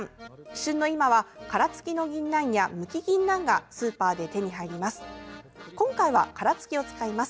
旬の今は殻付きのぎんなんやむきぎんなんがスーパーで手に入ります。